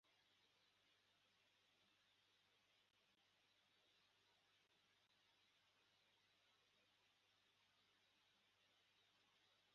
Fireman asanga hakiriho ibibazo byinshi byo kuvugwa gusa abantu batandukanye bagakomeza kuvuga ko byakemutse kandi bikiri byose